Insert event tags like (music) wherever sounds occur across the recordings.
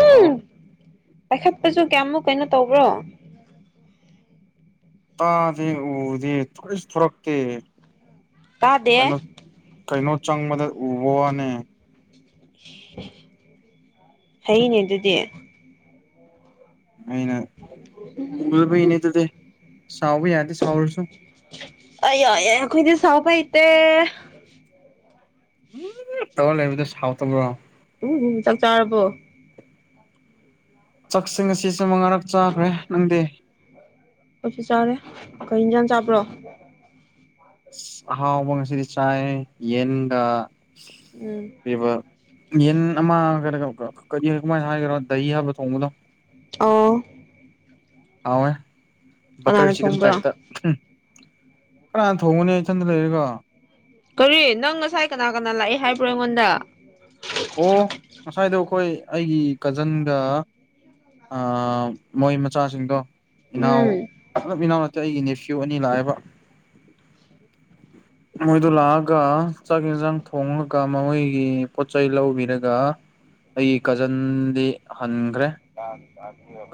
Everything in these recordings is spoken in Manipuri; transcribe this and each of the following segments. ꯍꯜꯂꯣ ꯎꯝ ꯄꯥꯏꯈꯠꯄꯁꯨ ꯀꯌꯥꯃꯨꯛ ꯀꯩꯅꯣ ꯇꯧꯕ꯭ꯔꯣ ꯇꯥꯗꯦ ꯎꯗꯦ (unintelligible) ꯊꯣꯔꯛ ꯇꯦ ꯇꯥꯗꯦ ꯀꯩꯅꯣ ꯆꯪꯕꯗ ꯎꯕꯋꯥꯅꯦ ꯐꯩꯅꯦ ꯑꯗꯨꯗꯤ ꯑꯩꯅ ꯎꯗꯕꯩꯅꯦ ꯑꯗꯨꯗꯤ ꯁꯥꯎꯕ ꯌꯥꯗꯦ ꯁꯥꯎꯔꯁꯨ (unintelligible) ꯑꯈꯣꯏꯗꯤ ꯁꯥꯎꯕ ꯍꯩꯇꯦ ꯎꯝ ꯇꯧꯔ ꯂꯩꯕꯗꯣ ꯁꯥꯎꯇꯕ꯭ꯔꯣ ꯍꯣ ꯆꯥꯛꯁꯤ ꯉꯥꯁꯤ ꯃꯉꯥꯔꯛ ꯆꯥꯈ꯭ꯔꯦ ꯅꯪꯗꯤ ꯑꯩꯁꯨ ꯆꯥꯔꯦ ꯀꯩ ꯏꯟꯖꯥꯡ ꯆꯥꯕ꯭ꯔꯣ ꯑꯍꯥꯎꯕ ꯉꯁꯤꯗꯤ ꯆꯥꯏ ꯌꯦꯟꯒ ꯎꯝ ꯄꯤꯕ ꯌꯦꯟ ꯑꯃ (unintelligible) ꯀꯃꯥꯏꯅ ꯍꯥꯏꯗꯣꯏꯅꯣ ꯗꯍꯤ ꯍꯥꯞꯂ ꯊꯣꯡꯕꯗꯣ ꯑꯣ ꯍꯥꯎꯋꯦ ꯀꯅꯥꯅ ꯕꯇꯔ ꯆꯤꯀꯟ ꯊꯣꯡꯕ꯭ꯔꯣ ꯇꯥꯏꯞꯇ ꯀꯅꯥꯅ ꯊꯣꯡꯒꯅꯤ ꯏꯊꯟꯗ ꯂꯩꯔꯒ ꯀꯔꯤ ꯅꯪ ꯉꯁꯥꯏ ꯀꯅꯥ ꯀꯅꯥ ꯂꯥꯛꯏ ꯍꯥꯏꯕ꯭ꯔꯣ ꯑꯩꯉꯣꯟꯗ ꯑꯣ ꯉꯁꯥꯏꯗꯣ ꯑꯩꯈꯣꯏ ꯑꯩꯒꯤ ꯀꯖꯟꯒ ꯑꯥ ꯃꯣꯏ ꯃꯆꯥꯁꯤꯡꯗꯣ ꯏꯅꯥꯎ ꯎꯝ ꯑꯞ ꯏꯅꯥꯎ ꯅꯠꯇꯦ ꯑꯩꯒꯤ ꯅꯦꯐ꯭ꯌꯨ ꯑꯅꯤ ꯂꯥꯛꯑꯦꯕ ꯃꯣꯏꯗꯨ ꯂꯥꯛꯑꯒ ꯆꯥꯛ ꯌꯦꯟꯁꯥꯡ ꯊꯣꯡꯉꯒ ꯃꯣꯏꯒꯤ ꯆꯩ ꯂꯧꯕꯤꯔꯒ ꯑꯩꯒꯤ ꯀꯖꯟꯗꯤ ꯍꯟ (unintelligible)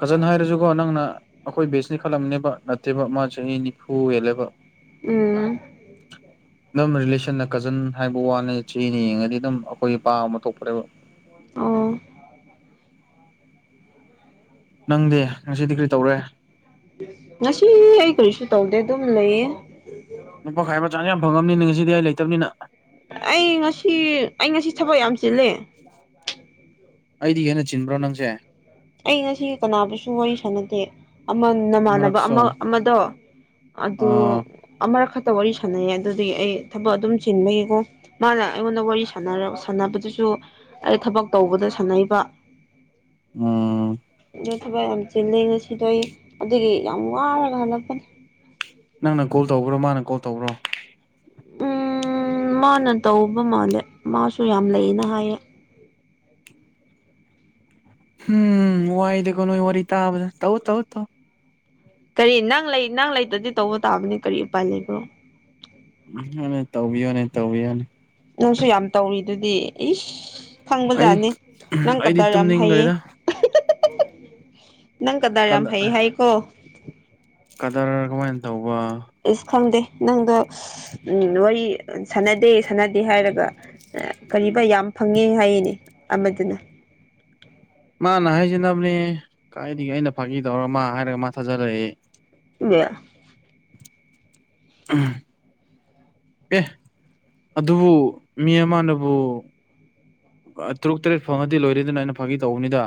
ꯀꯖꯟ ꯍꯥꯏꯔꯁꯨꯀꯣ ꯅꯪꯅ ꯑꯩꯈꯣꯏ ꯕꯦꯁꯅꯤ ꯈꯜꯂꯝꯅꯦꯕ ꯅꯠꯇꯦꯕ ꯃꯥ ꯆꯍꯤ ꯅꯤꯐꯨ ꯍꯦꯜꯂꯦꯕ ꯎꯝ ꯑꯗꯨꯝ ꯔꯤꯂꯦꯁꯟꯅ ꯀꯖꯟ ꯍꯥꯏꯕ ꯋꯥꯅꯤ ꯆꯍꯤꯗ ꯌꯦꯡꯉꯗꯤ ꯑꯗꯨꯝ ꯑꯩꯈꯣꯏ ꯏꯄꯥ ꯒꯨꯝꯕ ꯊꯣꯛꯄꯅꯦꯕ ꯑꯣ ꯅꯪꯗꯤ ꯉꯁꯤꯗꯤ ꯀꯔꯤ ꯇꯧꯔꯦ ꯉꯁꯤ ꯑꯩ ꯀꯔꯤꯁꯨ ꯇꯧꯗꯦ ꯑꯗꯨꯝ ꯂꯩꯌꯦ ꯅꯨꯄꯥ ꯈꯥꯏꯕ ꯆꯥꯟꯁ ꯌꯥꯝ ꯐꯪꯉꯝꯅꯤꯅꯦ ꯉꯁꯤꯗꯤ ꯑꯩ ꯂꯩꯇꯝꯅꯤꯅ ꯑꯩ ꯉꯁꯤ ꯑꯩ ꯉꯁꯤ ꯊꯕꯛ ꯌꯥꯝ ꯆꯤꯜꯂꯦ ꯑꯩꯗꯤ ꯍꯦꯟꯅ ꯆꯤꯟꯕ꯭ꯔꯣ ꯅꯪꯁꯦ ꯑꯩ ꯉꯁꯤ ꯀꯅꯥꯕꯨꯁꯨ ꯋꯥꯔꯤ ꯁꯥꯟꯅꯗꯦ ꯑꯃ ꯅꯃꯥꯟꯅꯕ ꯑꯃꯨꯔꯛꯁꯨ ꯑꯃ ꯑꯃꯗꯣ ꯑꯗꯣ ꯑ ꯑꯃꯔꯛ ꯈ ꯇ ꯋꯥꯔꯤ ꯁꯥꯟꯅꯩꯌꯦ ꯑꯗꯨꯗꯒꯤ ꯑꯩ ꯊꯕꯛ ꯑꯗꯨꯝ ꯆꯤꯟꯕꯒꯤꯀꯣ ꯃꯥꯅ ꯑꯩꯉꯣꯟꯗ ꯋꯥꯔꯤ ꯁꯅꯔ ꯁꯥꯟꯅꯕꯗꯨꯁꯨ ꯑꯩ ꯊꯕꯛ ꯇꯧꯕꯗ ꯁꯥꯟꯅꯩꯕ ꯎꯝ (unintelligible) ꯆꯤꯜꯂꯦ ꯉꯁꯤꯗꯣ ꯑꯩ ꯑꯗꯨꯒꯤ ꯌꯥꯝ ꯋꯥꯔꯒ ꯍꯜꯂꯛꯄꯅꯤ ꯅꯪꯅ ꯀꯣꯜ ꯇꯧꯕ꯭ꯔꯣ ꯃꯥꯅ ꯀꯣꯜ ꯇꯧꯕ꯭ꯔꯣ ꯎꯝ ꯃꯥꯅ ꯇꯧꯕ ꯃꯥꯜꯂꯦ ꯃꯥꯁꯨ ꯌꯥꯝ ꯂꯩꯌꯦꯅ ꯍꯥꯏꯌꯦ ꯎꯝ ꯋꯥꯏꯗ ꯀꯣ ꯅꯣꯏ ꯋꯥꯔꯤ ꯇꯥꯕꯁꯦ ꯇꯧ ꯇꯧ ꯇꯧ ꯀꯔꯤ ꯅꯪ ꯂꯩ ꯅꯪ ꯂꯩꯇꯗꯤ ꯇꯧꯕ ꯇꯥꯕꯅꯦ ꯀꯔꯤ ꯎꯄꯥꯏ ꯂꯩꯕꯣ ꯇꯧꯕꯤꯌꯣꯅꯦ ꯇꯧꯕꯤꯌꯣꯅꯦ ꯅꯪꯁꯨ ꯌꯥꯝ ꯇꯧꯔꯤꯗꯨꯗꯤ ꯏꯁ ꯑꯩ ꯈꯪꯕꯖꯥꯠꯅꯤ ꯅꯪ ꯑꯩꯗꯤ ꯀꯗꯔ ꯌꯥꯝ ꯍꯩꯌꯦ ꯇꯨꯝꯅꯤꯡꯈ꯭ꯔꯦꯗ ꯅꯪ ꯀꯗꯔ ꯌꯥꯝ ꯍꯩ ꯍꯥꯏꯀꯣ ꯀꯗꯔ ꯀꯃꯥꯏꯅ ꯇꯧꯕ ꯏꯁ ꯈꯪꯗꯦ ꯅꯪꯗꯣ ꯎꯝ ꯋꯥꯔꯤ ꯁꯥꯟꯅꯗꯦ ꯁꯥꯟꯅꯗꯦ ꯍꯥꯏꯔꯒ ꯀꯔꯤꯕ ꯌꯥꯝ ꯐꯪꯉꯦ ꯍꯥꯏꯌꯦꯅꯦ ꯑꯃꯗꯨꯅ (inaudible) ꯃꯥꯅ ꯍꯥꯏꯖꯅꯕꯅꯦ ꯀꯥꯏꯒ ꯑꯩꯅ ꯐꯥꯈꯤ ꯇꯧꯔ ꯃꯥ ꯍꯥꯏꯔꯒ ꯃꯥ ꯊꯥꯖꯜꯂꯛꯏ ꯃ ꯎꯝ ꯑꯦ ꯑꯗꯨꯕꯨ ꯃꯤ ꯑꯃꯅꯕꯨ ꯇꯔꯨꯛ ꯇꯔꯦꯠ ꯐꯪꯉꯗꯤ ꯂꯣꯏꯔꯦꯗꯅ ꯑꯩꯅ ꯐꯥꯒꯤ ꯇꯧꯕꯅꯤꯗ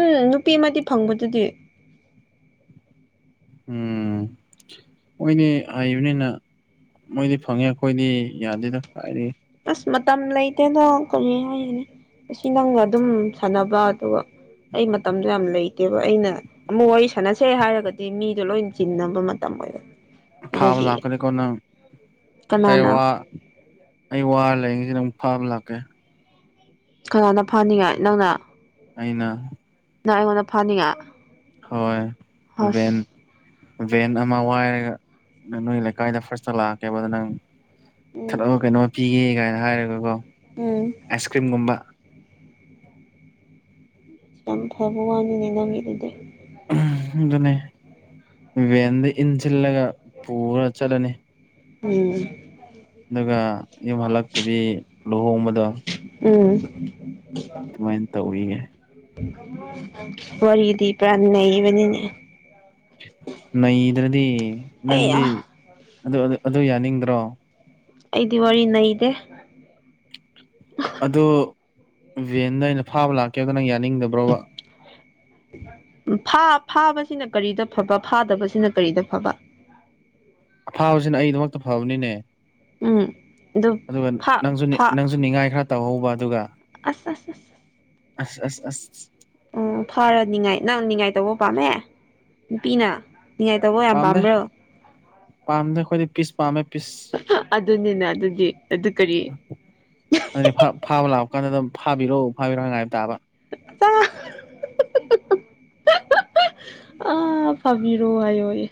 ꯎꯝ ꯅꯨꯄꯤ ꯑꯃꯗꯤ ꯐꯪꯕꯗꯨꯗꯤ ꯎꯝ ꯃꯣꯏꯗꯤ ꯍꯩꯕꯅꯤꯅ ꯃꯣꯏꯗꯤ ꯐꯪꯉꯦ ꯑꯩꯈꯣꯏꯗꯤ ꯌꯥꯗꯦꯗ ꯀꯥꯏꯔꯤ ꯑꯁ ꯃꯇꯝ ꯂꯩꯇꯦꯅ ꯀꯔꯤ ꯍꯥꯏꯌꯦꯅꯦ ꯑꯁꯤ ꯅꯪꯒ ꯑꯗꯨꯝ ꯁꯥꯟꯅꯕ ꯑꯗꯨꯒ ꯑꯩ ꯃꯇꯝꯗꯣ ꯌꯥꯝ ꯂꯩꯇꯦꯕ ꯑꯩꯅ ꯑꯃꯨꯛ ꯋꯥꯔꯤ ꯁꯥꯟꯅꯁꯦ ꯍꯥꯏꯔꯒꯗꯤ ꯃꯤꯗꯣ ꯂꯣꯏ ꯆꯤꯟꯅꯕ ꯃꯇꯝ ꯑꯣꯏꯔꯦ ꯊꯥꯕ ꯂꯥꯛꯀꯅꯤꯀꯣ ꯅꯪ ꯑꯩ ꯀꯅꯥꯅ ꯋꯥ ꯑꯩ ꯋꯥ ꯂꯥꯏꯌꯦꯉꯩꯁꯤꯅ ꯑꯃꯨꯛ ꯐꯥꯕ ꯂꯥꯛꯀꯦ ꯀꯅꯥꯅ ꯐꯅꯤꯡꯉꯥꯏ ꯅꯪꯅ ꯑꯅ ꯅꯪ ꯑꯩꯉꯣꯟꯗ ꯐꯥꯅꯤꯡꯉ ꯍꯣꯏꯕꯦꯟ ꯚꯦꯟ ꯑꯃ ꯋꯥꯏꯔꯒ ꯅ ꯅꯣꯏ ꯂꯩꯀꯥꯏꯗ ꯐꯥꯔꯁꯂꯛꯑꯀꯦꯕꯗ ꯅꯪ ꯎꯝ ꯊꯂꯛꯑ ꯀꯩꯅꯣ ꯄꯤꯒꯦ ꯀꯥꯏꯅ ꯍꯥꯏꯔꯒꯀꯣ ꯎꯝ ꯑꯥꯏꯁ ꯀ꯭ꯔꯤꯝꯒꯨꯝꯕ ꯌꯥꯝ ꯐꯕ ꯋꯥꯅꯤꯅꯦ ꯅꯪꯒꯤ ꯑꯗꯨꯗꯤ ꯑꯗꯨꯅꯦ ꯚꯦꯟꯗ ꯏꯟꯁꯤꯜꯂꯒ ꯄꯨꯔ ꯆꯠꯂꯅꯤ ꯎꯝ ꯑꯗꯨꯒ ꯌꯨꯝ ꯍꯜꯂꯛꯇꯕꯤ ꯂꯨꯍꯣꯡꯕꯗꯣ ꯎꯝ ꯑꯗꯨꯃꯥꯏꯅ ꯇꯧꯔꯤꯒꯦ ꯋꯥꯔꯤꯗꯤ ꯄꯨꯔꯥ ꯅꯕꯅꯤꯅꯦ ꯅꯩꯗ꯭ꯔꯗꯤ ꯑꯩ ꯅꯪꯗꯤ ꯑꯗꯨ ꯑꯗꯨ ꯌꯥꯅꯤꯡꯗ꯭ꯔꯣ ꯑꯩꯗꯤ ꯋꯥꯔꯤ ꯅꯩꯗꯦ ꯑꯗꯣ ꯚꯦꯟꯗ ꯑꯩꯅ ꯐꯥꯕ ꯂꯥꯛꯀꯦꯕꯗ ꯅꯪ ꯌꯥꯅꯤꯡꯗꯕ꯭ꯔꯣꯕ ꯐꯥꯕꯁꯤꯅ ꯀꯔꯤꯗ ꯐꯕ ꯐꯥꯗꯕꯁꯤꯅ ꯀꯔꯤꯗ ꯐꯕ ꯑ ꯑꯐꯥꯕꯁꯤꯅ ꯑꯩꯗꯃꯛꯇ ꯐꯕꯅꯤꯅꯦ ꯎꯝ ꯑꯗꯨ ꯑꯗꯨꯒ ꯐꯥ ꯅꯪꯁꯨ ꯐꯥ ꯅꯪꯁꯨ ꯅꯤꯡꯉꯥꯏ ꯈꯔ ꯇꯧꯍꯧꯕ ꯑꯗꯨꯒ ꯑ ꯑꯁ ꯑꯁ ꯑꯁ ꯑꯣ ꯐꯔꯅꯤꯉꯥꯏ ꯅꯪ ꯉꯥꯏ ꯇꯧꯕ ꯄꯥꯝꯃꯦ ꯅꯨꯄꯤꯅ ꯅꯉꯥꯏ ꯇꯕꯨꯣ ꯌꯥꯝ ꯄꯝ꯭ꯔꯣ ꯄꯥꯝꯗ ꯈꯣꯏꯗꯤ ꯄꯤꯁ ꯄꯥꯝꯃꯦ ꯄꯤꯁ ꯑꯗꯨꯅꯤꯅ ꯑꯗꯨꯗꯤ ꯑꯗꯨ ꯀꯔꯤ ꯑ ꯐ ꯐꯕ ꯂꯥꯎ ꯀꯩꯅꯣꯗꯝꯥꯕꯤꯔꯛꯎ ꯐꯥꯕꯤꯔꯣꯑꯣ ꯉꯥꯏꯕ ꯇꯥꯕ ꯑ ꯑꯥ ꯐꯥꯕꯤꯔꯣ ꯍꯥꯏꯌꯣꯌꯦꯦ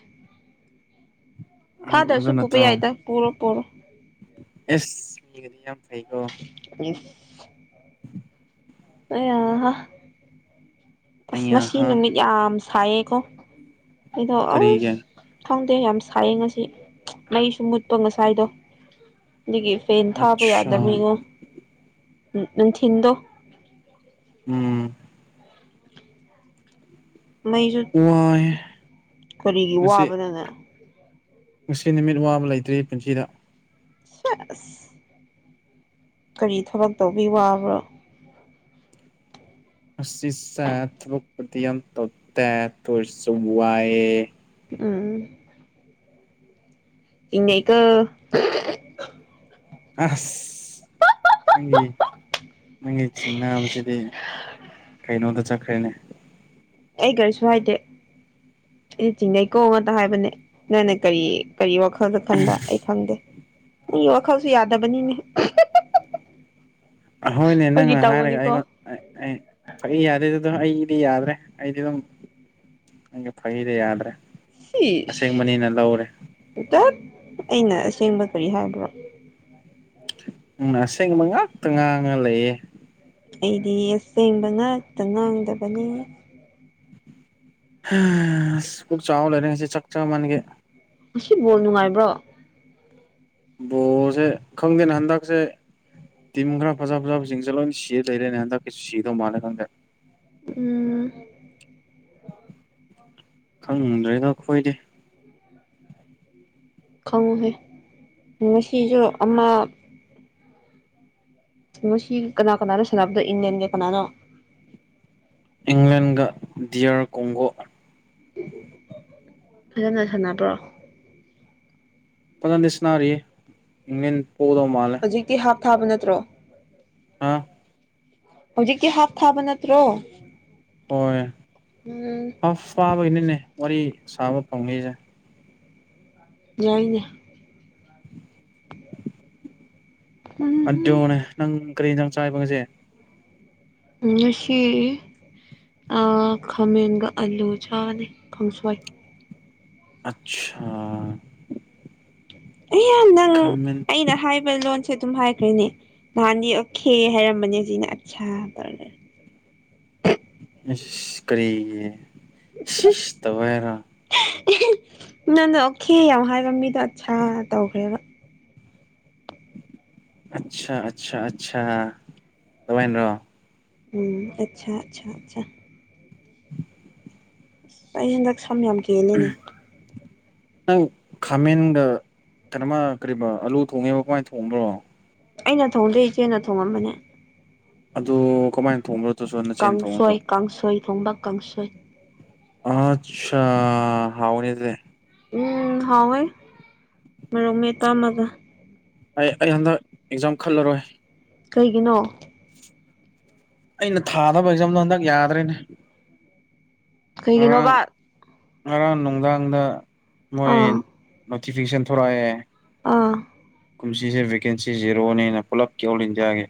ꯐꯥꯗꯔꯁꯨ ꯑꯗꯨ ꯄꯨꯕ ꯅꯠꯇ꯭ꯔꯣ ꯌꯥꯏꯗ ꯄꯨꯔꯣ ꯄꯨꯔꯣ ꯑꯦꯁ ꯃꯤꯒꯗꯤ ꯌꯥꯝ ꯐꯩꯀꯣ ꯎ ꯎꯝ ꯑꯍ ꯑꯁ ꯉꯁꯤ ꯑꯩꯍꯥ ꯅꯨꯃꯤꯠ ꯌꯥꯝ ꯁꯥꯏꯌꯦꯀꯣ ꯑꯩꯗꯣ ꯑꯁ ꯀꯔꯤꯒꯤ ꯈꯪ ꯗꯦ ꯌꯥꯝ ꯁꯥꯏꯌꯦ ꯉꯁꯤ ꯃꯩꯁꯨ ꯃꯨꯠꯄ ꯉꯁꯥꯏꯗꯣ ꯑꯗꯨꯒꯤ ꯐꯦꯟ ꯊꯥꯕ ꯑꯠꯁꯥ ꯌꯥꯗꯕꯒꯤꯀꯣ ꯅꯨꯡꯊꯤꯟꯗꯣ ꯎꯝ ꯃꯩꯁꯨ ꯋꯥꯏ ꯀꯔꯤꯒꯤ ꯉꯁꯤ ꯋꯥꯕꯗꯅ ꯉꯁꯤ ꯅꯨꯃꯤꯠ ꯋꯥꯕ ꯂꯩꯇ꯭ꯔꯦ ꯄꯨꯟꯁꯤꯗ ꯁꯦꯁ ꯀꯔꯤ ꯊꯕꯛꯇꯧꯕꯩ ꯋꯥꯕ꯭ꯔꯣ ꯉꯁꯤꯁꯦ ꯊꯕꯛ ꯄꯨꯗꯤ ꯌꯥꯝ ꯇꯧꯇꯦ ꯑꯗꯨ ꯑꯣꯏꯔꯁꯨ ꯋꯥꯏꯌꯦ ꯑꯝ ꯆꯤꯡꯅꯩꯀꯣ ꯑꯁ ꯅꯪꯒꯤ ꯅꯪꯒꯤ ꯆꯤꯡꯅꯕꯁꯤꯗꯤ ꯀꯩꯅꯣꯗꯨ ꯆꯠꯈ꯭ꯔꯦꯅꯦ ꯑꯩ ꯀꯔꯤꯁꯨ ꯍꯥꯏꯗꯦ ꯑꯩꯗꯤ ꯆꯤꯡꯅꯩꯀꯣ ꯉꯛꯇ ꯍꯥꯏꯕꯅꯦ ꯅꯪꯅꯦ ꯀꯔꯤ ꯀꯔꯤ ꯋꯥꯈꯜ ꯋꯥꯈꯜꯗ ꯈꯟꯕ ꯑꯩ ꯈꯪꯗꯦ ꯃꯤ ꯋꯥꯈꯜꯁꯦ ꯌꯥꯗꯕꯅꯤꯅꯦ ꯍꯣꯏꯅꯦ ꯐꯥꯒꯤ ꯅꯪꯅ ꯍꯥꯏꯔꯒ ꯇꯧꯕꯅꯤꯀꯣ ꯑꯩꯉꯣꯟ ꯐꯒꯤ ꯌꯥꯗꯦ ꯑꯗꯨꯗꯣ ꯑꯩ ꯗꯤ ꯌꯥꯗ꯭ꯔꯦ ꯑꯩꯗꯤ ꯑꯗꯨꯝ ꯅꯪꯒꯤ ꯐꯒꯤ ꯌꯥꯗ꯭ꯔꯦ ꯁꯤꯁ ꯑꯁꯦꯡꯕꯅꯤꯅ ꯂꯧꯔꯦ ꯇꯠ ꯑꯩꯅ ꯑꯁꯦꯡꯕ ꯀꯔꯤ ꯍꯥꯏꯕ꯭ꯔꯣ ꯅꯪꯅ ꯑꯁꯦꯡꯕ ꯉꯛꯇ ꯉꯥꯡꯉ ꯂꯩꯌꯦ ꯑꯩꯗꯤ ꯑꯁꯦꯡꯕ ꯉꯥꯛꯇ ꯉꯥꯡꯗꯕꯅꯤ ꯑꯁ ꯄꯨꯛ ꯆꯥꯎ ꯂꯩꯔꯦ ꯉꯁꯤ ꯆꯥꯛ ꯆꯥ ꯃꯟꯒꯤ ꯕꯣꯜ ꯅꯨꯡꯉꯥꯏꯕ꯭ꯔꯣ ꯕꯣꯜ ꯁꯦ ꯈꯪꯗꯦꯅ ꯍꯟꯗꯛꯁꯦ ꯇꯤꯝ ꯈ꯭ꯔ ꯐꯖꯥ ꯐꯖꯥꯁꯤꯡꯁꯦ ꯂꯣꯏꯅ ꯁꯤ ꯂꯩꯔꯦꯅꯦ ꯍꯟꯗꯛ ꯁꯤꯗꯧ ꯃꯥꯜꯂꯦ ꯈꯪꯗꯦ ꯎꯝ ꯈꯪꯗ꯭ꯔꯦꯗ ꯑꯩꯈꯣꯏꯗꯤ ꯈꯪꯉꯨꯍꯦ ꯉꯁꯤꯁꯨ ꯑꯃ ꯉꯁꯤ ꯀꯅꯥ ꯀꯅꯥꯅꯣ ꯁꯥꯟꯅꯕꯗꯣ ꯏꯪꯂꯦꯟꯒ ꯀꯅꯥꯅꯣ ꯏꯪꯂꯦꯟꯒ ꯗꯤꯌꯥꯔ ꯀꯣꯡꯒꯣ ꯐꯖꯅ ꯁꯥꯟꯅꯕ꯭ꯔꯣ ꯐꯖꯟꯗꯤ ꯁꯅꯥꯔꯤ ꯏꯪꯂꯦꯟ ꯄꯣꯗꯧ ꯃꯥꯂꯦ ꯍꯧꯖꯤꯛꯇꯤ ꯍꯥꯞ ꯊꯥꯕ ꯅꯠꯇ꯭ꯔꯣ ꯑꯥ ꯍꯧꯖꯤꯛꯀꯤ ꯍꯥꯞ ꯊꯥꯕ ꯅꯠꯇ꯭ꯔꯣ ꯍꯣꯏ ꯎꯝ ꯍꯥꯞ ꯊꯥꯕꯩꯅꯤꯅꯦ ꯋꯥꯔꯤ ꯁꯥꯕ ꯐꯪꯉꯤꯁꯦ ꯌꯥꯏꯅꯦ ꯎꯝ ꯃꯗꯨꯅꯦ ꯅꯪ ꯀꯔꯤ ꯏꯟꯁꯥꯡ ꯆꯥꯌꯦꯕ ꯉꯁꯤ ꯉꯁꯤ ꯑꯥ ꯈꯥꯃꯦꯟꯒ ꯑꯂꯨ ꯆꯥꯒꯅꯤ ꯀꯥꯡꯁꯣꯏ ꯑꯁꯥ ꯑꯌꯥ ꯅꯪ ꯑꯩꯅ ꯍꯥꯏꯕ ꯂꯣꯟꯁꯦ ꯑꯗꯨꯝ ꯍꯥꯏꯈ꯭ꯔꯦꯅꯦ ꯅꯍꯥꯟꯗꯤ ꯊꯤꯌꯦ ꯍꯥꯏꯔꯝꯕꯅꯦ ꯍꯧꯖꯤꯛꯅ ꯑꯠꯁꯥ ꯇꯧꯔꯒ ꯑꯁ ꯀꯔꯤꯒꯤ ꯁꯤꯁꯇꯧꯋꯦ ꯍꯥꯏꯔꯣ ꯅꯪꯅ ꯑꯣꯈꯦ ꯌꯥꯝ ꯍꯥꯏꯕ ꯃꯤꯗꯣ ꯑꯠꯁꯥ ꯇꯧꯈ꯭ꯔꯦꯕ ꯑꯠꯁꯥ ꯑꯠꯁꯥ ꯑꯠꯁꯥ ꯑꯗꯨ ꯃꯥꯏꯅꯔꯣ ꯎꯝ ꯑꯠꯁꯥ ꯑꯠꯁꯥ ꯑꯠꯁꯥ ꯑꯩ ꯍꯟꯗꯛ ꯁꯝ ꯌꯥꯝ ꯀꯦꯂꯦꯅꯦ ꯅꯪ ꯈꯥꯃꯦꯟꯗ ꯀꯩꯅꯣꯃ ꯀꯔꯤ ꯑꯂꯨ ꯊꯣꯡꯉꯦꯕ ꯀꯃꯥꯏꯅ ꯊꯣꯡꯕ꯭ꯔꯣ ꯑꯩꯅ ꯊꯣꯡꯗꯣꯏ ꯏꯆꯦꯅ ꯊꯣꯡꯉꯝꯕꯅꯦ ꯑꯗꯨ ꯀꯃꯥꯏ ꯀꯥꯡꯁꯣꯏ ꯀꯥꯡꯁꯣꯏ ꯊꯣꯝꯕ ꯀꯥꯡꯁꯣꯏ ꯑꯆꯥ ꯍꯥꯎꯅꯤꯁꯦ ꯎꯝ ꯍꯥꯎꯋꯦ ꯃꯔꯣꯛ ꯃꯦꯠꯄꯝꯃꯒ ꯑꯩ ꯑꯩ ꯍꯟꯗꯛ ꯑꯦꯛꯖꯥꯝ ꯈꯜꯂꯔꯣꯏ ꯀꯩꯒꯤꯅꯣ ꯑꯩꯅ ꯊꯥꯗꯕ ꯑꯦꯛꯖꯥꯝꯗꯣ ꯍꯟꯗꯛ ꯌꯥꯗ꯭ꯔꯔꯤꯅꯦ ꯀꯩꯒꯤꯅꯣꯕ ꯉꯔꯥꯡ ꯅꯨꯡꯗꯥꯡꯗ ꯃꯣꯏ ꯑꯥ ꯅꯣꯇꯤꯐꯤꯀꯦꯁꯟ ꯊꯣꯛꯣꯔꯛꯑꯦ ꯑꯥ ꯀꯨꯝꯁꯤꯁꯦ ꯚꯦꯀꯦꯟꯁꯤ ꯖꯦꯔꯣꯅꯦꯅ ꯄꯨꯜꯂꯞꯀꯤ ꯑꯣꯜ ꯏꯟꯗꯤꯌꯥꯒꯤ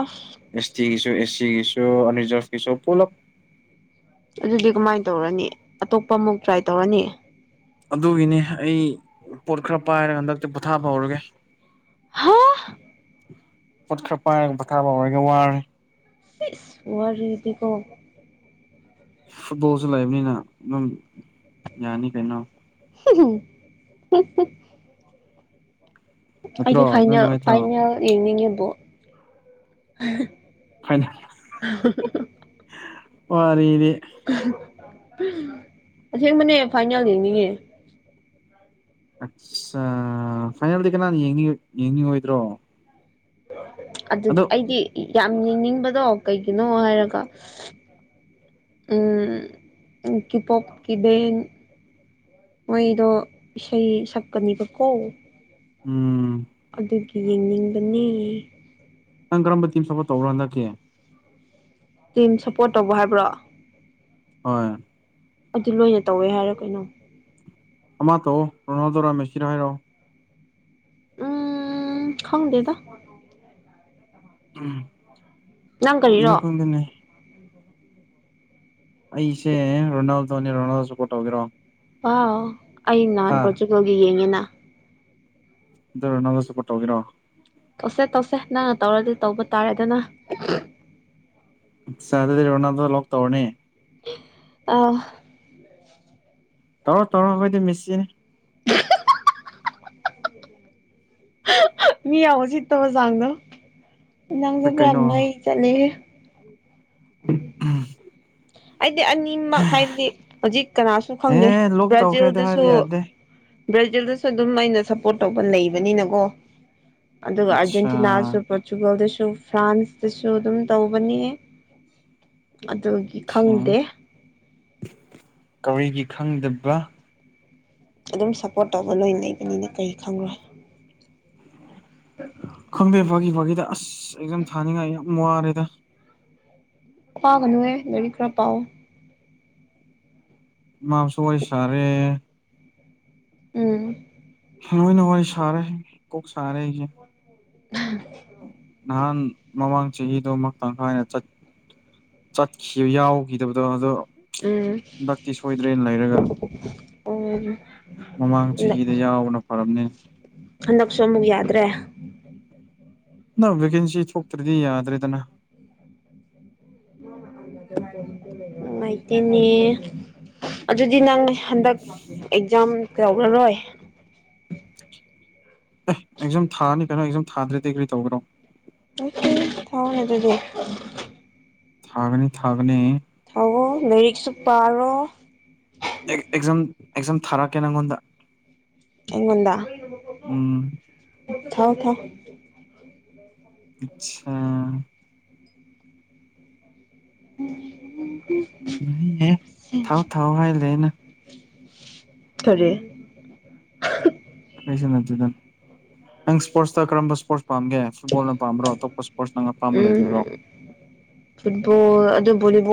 ꯑꯁ ꯑꯦꯁ ꯇꯤꯒꯤ ꯑꯦꯁꯤꯒꯤꯁ ꯑꯔꯤꯖꯔꯚꯁ ꯄꯣꯂꯞ ꯑꯗꯨꯗꯤ ꯀꯃꯥꯏꯅ ꯇꯧꯔꯅꯤ ꯑꯇꯣꯞꯄ ꯑꯃꯨꯛ ꯇ꯭ꯔꯥꯏ ꯇꯧꯔꯅꯤ ꯑꯗꯨꯒꯤꯅꯤ ꯑꯩ ꯄꯣꯠ ꯈꯔ ꯄꯥꯏꯔꯒ ꯍꯟꯗꯛꯇꯤ ꯄꯣꯊꯥꯕ ꯍꯧꯔꯒꯦ ꯍꯥ ꯄꯣꯠ ꯈꯔ ꯄꯥꯏꯔꯒ ꯄꯊꯥꯕ ꯑꯣꯏꯔꯒ ꯋꯥꯔꯦ ꯋꯥꯔ ꯌꯦꯗꯤꯀ ꯕꯣꯁꯨ ꯂꯩꯕꯅꯤꯅ ꯑꯗꯨꯝ ꯌꯥꯅꯤ ꯀꯩꯅꯣ (inaudible) ꯅꯠꯇ꯭ꯔꯣ ꯑꯩꯗꯤ ꯑꯗꯨ ꯐꯥꯏꯅꯦꯜ ꯅꯨꯡꯉꯥꯏꯇ꯭ꯔꯣ ꯐꯥꯏꯅꯦꯜ ꯌꯦꯡꯅꯤꯡꯉꯦꯕ (inaudible) ꯐꯥꯏꯅꯦꯜ ꯑꯣ ꯔꯔꯤꯗꯤ ꯑꯁꯦꯡꯕꯅꯦ ꯐꯥꯏꯅꯦꯜ ꯌꯦꯡꯅꯤꯌꯦ ꯑꯠꯆꯥ ꯐꯥꯏꯅꯦꯜꯗꯤ ꯀꯅꯥꯅ ꯌꯦꯡ ꯌꯦꯡꯅꯤꯡꯉꯣꯏꯗ꯭ꯔꯣ ꯑꯗꯨꯗꯤ ꯑꯗꯣ ꯑꯩꯗꯤ ꯌꯥꯝ ꯌꯦꯡꯅꯤꯡꯕꯗꯣ ꯀꯩꯒꯤꯅꯣ ꯍꯥꯏꯔꯒ ꯀꯤꯄꯣꯣꯛ ꯀꯕꯦꯟ ꯃꯣꯏꯗꯣ ꯏꯁꯩ ꯁꯛꯀꯅꯤꯕꯀꯣ ꯎꯝ ꯑꯗꯨꯒꯤ ꯌꯦꯡꯅꯤꯡꯕꯅꯤ ꯅꯪ ꯀꯔꯝꯕ ꯇꯤꯝ ꯁꯄꯣꯔꯠ ꯇꯧꯔꯣ ꯍꯟꯗꯛꯀꯤꯦ ꯇꯤꯝ ꯁꯞꯄꯣꯔꯠ ꯇꯧꯕ ꯍꯥꯏꯕ꯭ꯔꯣ ꯍꯣꯏ ꯑꯗꯨ ꯂꯣꯏꯅ ꯇꯧꯋꯦ ꯍꯥꯏꯔꯣ ꯀꯩꯅꯣ ꯑꯃꯥ ꯇꯣ ꯔꯅꯖꯔꯥ ꯃꯦꯁꯤꯔ ꯍꯥꯏꯔꯣ ꯎꯝ ꯈꯉꯗꯦꯗ ꯎꯝ ꯅꯪ ꯏꯅ ꯀꯔꯤꯔꯣ ꯈꯝꯗꯅꯦ ꯑꯩꯁꯦ ꯔꯣꯅꯥꯜꯗꯣꯅꯦ ꯔꯣꯅꯥꯜꯗꯣ ꯁꯄꯣꯔꯠ ꯇꯧꯒꯦꯔꯣ ꯄ ꯑꯩ ꯅꯥꯟ ꯑꯥ ꯄꯨꯆꯒ ꯌꯦꯦꯉꯦꯅ ꯑꯗꯨ ꯅꯪꯗ ꯁꯄꯣꯔ ꯇꯧꯒꯤꯔꯣ ꯇꯧꯁꯦ ꯇꯧꯁꯦ ꯅꯪꯅ ꯇꯧꯔꯗꯤ ꯇꯧꯕ ꯇꯥꯔꯦ ꯑꯗꯨꯅ ꯁꯗꯅ ꯂꯣ ꯇꯧꯔꯅꯦ ꯑ ꯇꯧꯔꯣ ꯇꯧꯔꯣ ꯑꯩꯈꯣꯏꯗꯤ ꯃꯦꯁꯤꯅꯦ (inaudible) (inaudible) ꯃꯤ ꯌꯥꯎꯋ ꯁꯤꯠꯇꯕ ꯆꯥꯡꯗꯣ ꯌꯦꯟꯥꯡꯁꯨ ꯑꯗꯨ ꯄꯨꯔꯥ ꯀꯩꯅꯣ ꯃꯩ ꯆꯠꯂꯦ ꯎ ꯍꯥꯏꯗꯤ ꯑꯅꯤꯃꯛ ꯍꯥꯏꯕꯗꯤ ꯍꯧꯖꯤꯛ ꯀꯅꯥꯁꯨ ꯈꯪꯗꯦ ꯑꯦ ꯂꯣꯛ ꯇꯧꯈ꯭ꯔꯦ ꯑꯗꯨ ꯕ꯭ꯔꯥꯖꯤꯜꯗꯁꯨ ꯍꯥꯏꯕ ꯌꯥꯗꯦ ꯕ꯭ꯔꯥꯖꯤꯜꯗꯁꯨ ꯑꯗꯨꯝ ꯑꯩꯅ ꯁꯞꯄꯣꯔꯠ ꯇꯧꯕ ꯂꯩꯕꯅꯤꯅꯀꯣ ꯑꯗꯨꯒ ꯑꯠꯆꯥ ꯑꯔꯖꯦꯟꯇꯤꯅꯥꯁꯨ ꯄꯣꯆꯨꯒꯣꯜꯗꯁꯨ ꯐ꯭ꯔꯥꯟꯁꯇꯁꯨ ꯑꯗꯨꯝ ꯇꯧꯕꯅꯤ ꯑꯗꯨꯒꯤ ꯈꯪꯗꯦ ꯀꯔꯤꯒꯤ ꯈꯪꯗꯕ ꯑꯗꯨꯝ ꯁꯞꯄꯣꯔꯠ ꯇꯧꯕ ꯂꯣꯏ ꯂꯩꯕꯅꯤꯅ ꯀꯔꯤ ꯈꯪꯈ꯭ꯔꯣꯏ ꯈꯪꯗꯦ ꯐꯥꯒꯤ ꯐꯥꯒꯤꯗ ꯑꯁ ꯑꯩꯝ ꯊꯥꯅꯤꯡꯉꯥꯏ ꯌꯥꯝ ꯋꯥꯔꯦꯗ ꯄꯥꯒꯅꯨꯍ ꯂꯥꯏꯔꯤꯛ ꯈꯔ ꯄꯥꯑꯣ ꯃꯥ ꯁꯋꯥꯏꯁꯔꯦ ꯑꯝ ꯣꯏꯅ ꯋꯥꯔꯤ ꯁꯥꯔꯦ ꯀꯣꯛ ꯁꯥꯔꯦ ꯑꯩꯁꯦ ꯎꯝ ꯅꯍꯥꯟ ꯃꯃꯥꯡ ꯆꯍꯤꯗ ꯑꯃ ꯇꯪꯈꯥꯏꯅ ꯆꯠ ꯆꯠꯈꯤꯕ ꯌꯥꯎꯈꯤꯗꯕꯗꯣ ꯑꯗꯣ ꯎꯝ ꯗꯛꯇꯤ ꯁꯣꯏꯗ꯭ꯔꯦꯅ ꯂꯩꯔꯒ ꯎꯝ ꯃꯃꯥꯡ ꯍꯟꯗꯛ ꯆꯍꯤꯗ ꯌꯥꯎꯕꯅ ꯐꯔꯝꯅꯦ ꯍꯟꯗꯛꯁꯨ ꯑꯃꯨꯛ ꯌꯥꯗ꯭ꯔꯦ ꯅꯪ ꯚꯦꯀꯦꯟꯁꯤ ꯊꯣꯛꯇ꯭ꯔꯗꯤ ꯌꯥꯗ꯭ꯔꯦꯗꯅ ꯉꯥꯏꯇꯦꯅꯦ ꯑꯗꯨꯗꯤ ꯅꯪꯅꯦ ꯍꯟꯗꯛ ꯑꯦꯛꯖꯥꯝ ꯀꯧꯔꯔꯣꯏ ꯑꯦ ꯑꯦꯛꯖꯥꯝ ꯊꯥꯔꯅꯤ ꯀꯩꯅꯣ ꯑꯦꯛꯖꯥꯝ ꯊꯥꯗ꯭ꯔꯦ ꯗꯗꯤꯒ꯭ꯔꯤ ꯇꯧꯒ꯭ꯔꯣ ꯎ ꯊꯥꯎꯅꯦ ꯑꯗꯨꯗꯤ ꯊꯥꯒꯅꯤ ꯊꯥꯒꯅꯤ ꯑꯣ ꯂꯥꯏꯔꯤꯛꯁꯨ ꯄꯥꯔꯣ ꯑꯦꯖꯝ ꯑꯦꯛꯖꯥꯝ ꯊꯥꯔꯛꯑꯀꯦ ꯅꯪꯉꯣꯟꯗ ꯑꯡꯉꯣꯟꯗ ꯎꯝ ꯊꯥꯎ ꯊꯥꯎ ꯑꯆꯥꯥ ꯎꯝꯝ ꯌꯥꯏꯍꯦ ꯊꯥꯎ ꯊꯥꯎ ꯍꯥꯏꯔꯦꯅ ꯈꯔꯦ ꯁ ꯅꯆꯗ ꯅꯪ ꯏꯁꯄꯣꯔꯠꯁꯇ ꯀꯔꯝꯕ ꯏꯁꯄꯣꯔꯠꯁ ꯄꯥꯒꯦ ꯐꯠꯕꯜꯅ ꯄꯥꯝꯕ꯭ꯔꯣ ꯑꯇꯣꯞꯄ ꯏꯁꯄꯣꯔꯠ ꯅꯪꯅ ꯑꯄꯥꯝꯕ ꯎꯝ ꯂꯩꯔꯤꯕ꯭ꯔꯣ ꯐꯨꯠꯕꯣꯜ ꯑꯗꯨꯗꯣꯣ